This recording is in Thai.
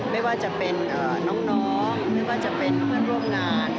ไม่ว่าจะเป็นน้องไม่ว่าจะเป็นเพื่อนร่วมงาน